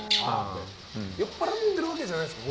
酔っぱらってるわけじゃないですか？